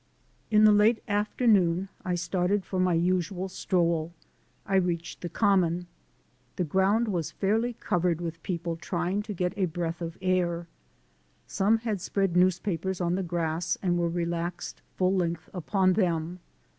In the late afternoon I started for my usual stroll. I reached the Common. The ground was I GO TO JAIL ONCE MORE 261 fairly covered with people trying to get a breath of air. Some had spread newspapers on the grass and were relaxed full length upon them.